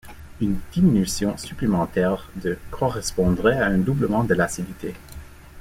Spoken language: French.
Une diminution supplémentaire de correspondrait à un doublement de l'acidité.